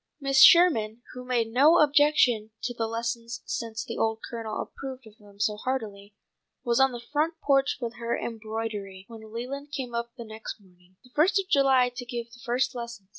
Mrs. Sherman, who made no objection to the lessons since the old Colonel approved of them so heartily, was on the front porch with her embroidery when Leland came up the next morning, the first of July, to give the first lesson.